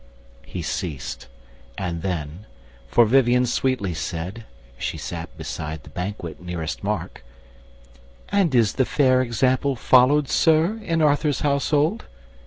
He ceased, and then—for Vivien sweetly said (She sat beside the banquet nearest Mark), "And is the fair example followed, Sir, In Arthur's household?"